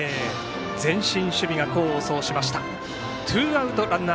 前進守備が功を奏しました。